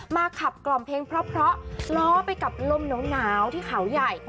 ขับกล่อมเพลงเพราะล้อไปกับลมหนาวที่เขาใหญ่